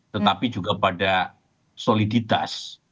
tetapi juga pada soliditas